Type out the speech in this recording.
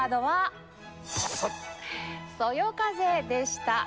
「そよ風」でした。